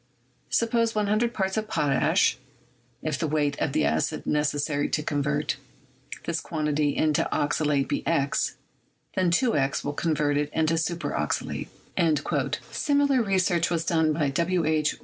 Suppose 100 parts of potash; if the weight of acid neces sary to convert this quantity into oxalate be x, then 2x will convert it into super oxalate." Similar research was done by W. H.